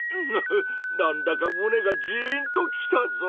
なんだかむねがジーンときたぞ！